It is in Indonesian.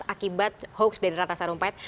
akibat hoax dari rata sarumpet